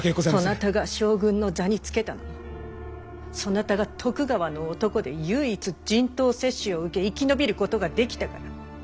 そなたが将軍の座につけたのもそなたが徳川の男で唯一人痘接種を受け生き延びることができたから！